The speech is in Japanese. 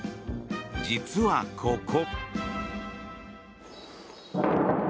実は、ここ。